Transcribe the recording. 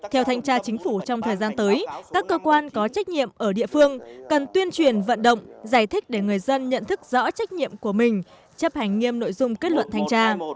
theo thanh tra chính phủ trong thời gian tới các cơ quan có trách nhiệm ở địa phương cần tuyên truyền vận động giải thích để người dân nhận thức rõ trách nhiệm của mình chấp hành nghiêm nội dung kết luận thanh tra